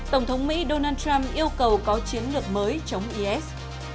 tổng thống mỹ donald trump yêu cầu có chiến lược mới chống is